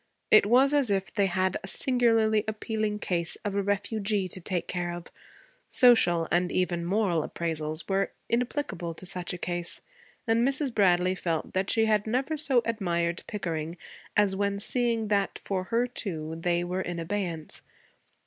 It was as if they had a singularly appealing case of a refugee to take care of: social and even moral appraisals were inapplicable to such a case, and Mrs. Bradley felt that she had never so admired Pickering as when seeing that for her, too, they were in abeyance.